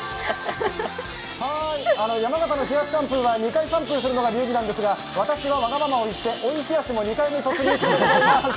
はーい、山形の冷やしシャンプーは２回シャンプーするのが流儀なんですが私はわがままを言って追い冷やしも２回目突入しております。